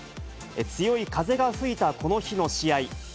強い風が吹いたこの日の試合。